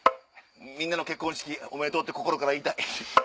みんなの結婚式おめでとう！って心から言いたい。